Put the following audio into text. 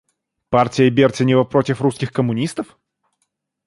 Партия Бертенева против русских коммунистов?